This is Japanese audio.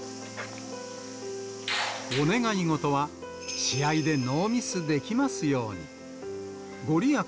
お願い事は、試合でノーミスできますように。